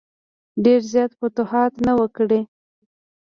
ډېر زیات فتوحات نه وه کړي.